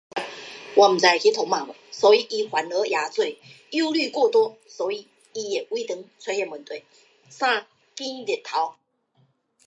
我們的人口出生率持續低落